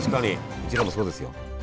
うちらもそうですよ。